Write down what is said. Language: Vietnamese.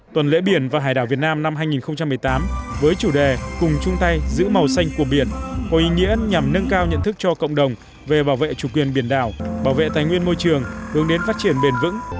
tuần lễ biển và hải đảo việt nam năm hai nghìn một mươi tám với chủ đề cùng chung tay giữ màu xanh của biển có ý nghĩa nhằm nâng cao nhận thức cho cộng đồng về bảo vệ chủ quyền biển đảo bảo vệ tài nguyên môi trường hướng đến phát triển bền vững